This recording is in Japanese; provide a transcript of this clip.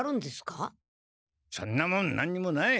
そんなもん何にもない！